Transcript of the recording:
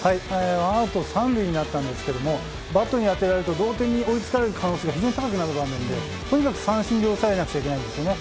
アウト３塁になったんですがバットに当てられると同点に追いつかれる場面が非常に高くなる場面でとにかく三振に抑えなくちゃいけないんですね。